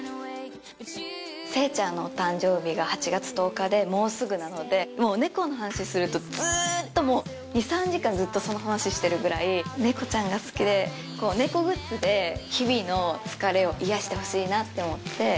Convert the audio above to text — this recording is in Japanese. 聖ちゃんのお誕生日が８月１０日でもうすぐなのでもう猫の話するとずっと２３時間ずっとその話してるぐらい猫ちゃんが好きで猫グッズで日々の疲れを癒やしてほしいなって思って。